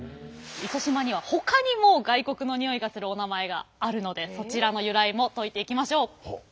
糸島にはほかにも外国のにおいがするお名前があるのでそちらの由来も説いていきましょう！